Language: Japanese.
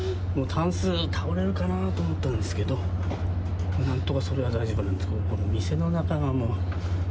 もうたんす倒れるかなと思ったんですけど、なんとかそれは大丈夫なんですけど、店の中がもう。